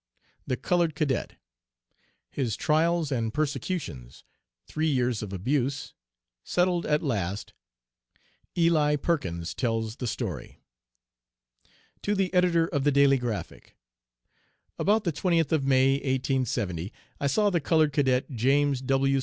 THE COLORED CADET. HIS TRIALS AND PERSECUTIONS THREE YEARS OF ABUSE SETTLED AT LAST "ELI PERKINS" TELLS THE STORY. To the Editor of the Daily Graphic: About the 20th of May, 1870, I saw the colored Cadet, James W.